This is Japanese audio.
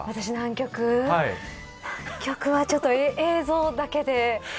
南極はちょっと、映像だけで。